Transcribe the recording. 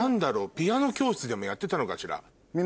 ピアノ教室でもやってたのかしら？